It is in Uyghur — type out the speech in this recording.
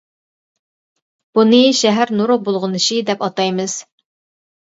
بۇنى «شەھەر نۇر بۇلغىنىشى» دەپ ئاتايمىز.